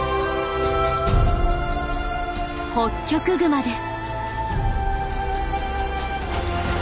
ホッキョクグマです。